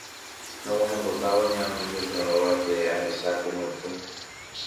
Rog̃uahẽmbotávo ña Anunciación rógape ahecháko mytũ